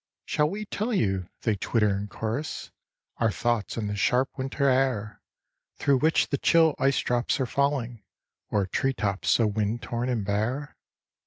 "Shall we tell you," they twitter in chorus, "Our thoughts in this sharp winter air, Through which the chill ice drops are falling O'er treetops so wind torn and bare?